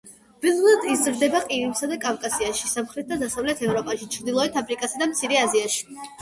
ველურად იზრდება ყირიმსა და კავკასიაში, სამხრეთ და დასავლეთ ევროპაში, ჩრდილოეთ აფრიკასა და მცირე აზიაში.